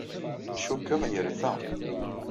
Cikkeɣ yerfa.